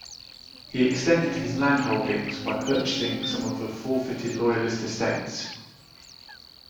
He extended his land holdings by purchasing some of the forfeited Loyalist estates.